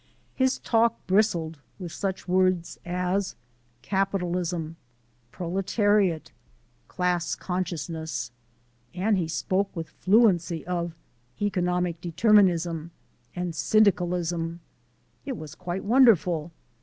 His talk bristled with such words as "capitalism," "proletariat," "class consciousness" and he spoke with fluency of "economic determinism" and "syndicalism." It was quite wonderful!